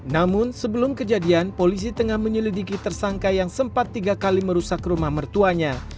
namun sebelum kejadian polisi tengah menyelidiki tersangka yang sempat tiga kali merusak rumah mertuanya